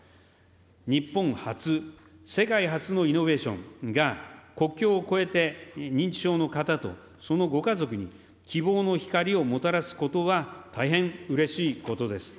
日本発、世界初のイノベーションが、国境を越えて、認知症の方とそのご家族に希望の光をもたらすことは、大変うれしいことです。